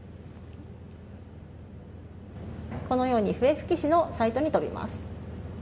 このように笛吹市のサイトに飛びます。